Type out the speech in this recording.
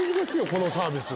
このサービス。